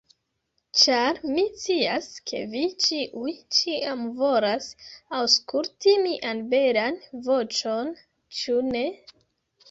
Ĉar, mi scias, ke vi ĉiuj, ĉiam volas aŭskulti mian belan voĉon, ĉu ne?